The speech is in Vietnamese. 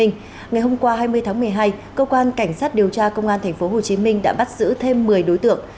ngày hôm qua hai mươi tháng một mươi hai cơ quan cảnh sát điều tra công an tp hcm đã bắt giữ thêm một mươi đối tượng